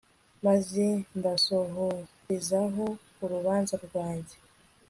maze mbasohorezeho urubanza rwanjye